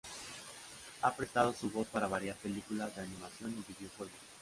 Ha prestado su voz para varias películas de animación y videojuegos.